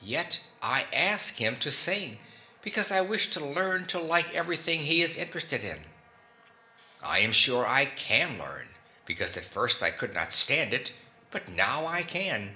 Yet I ask him to sing, because I wish to learn to like everything he is interested in. I am sure I can learn, because at first I could not stand it, but now I can.